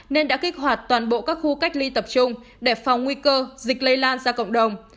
nên đã kích hoạt toàn bộ các khu cách ly tập trung để phòng nguy cơ dịch lây lan ra cộng đồng